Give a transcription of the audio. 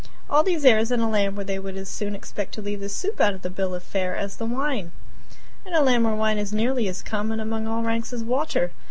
All these airs in a land where they would as soon expect to leave the soup out of the bill of fare as the wine! in a land where wine is nearly as common among all ranks as water!